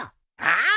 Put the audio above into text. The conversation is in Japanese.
ああ。